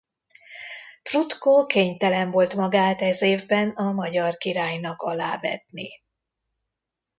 Tvrtko kénytelen volt magát ez évben a magyar királynak alávetni.